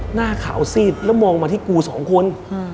หน้าขาวซีดแล้วมองมาที่กูสองคน